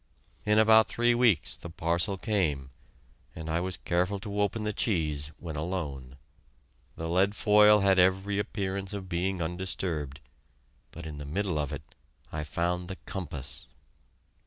In about three weeks the parcel came, and I was careful to open the cheese when alone. The lead foil had every appearance of being undisturbed, but in the middle of it I found the compass!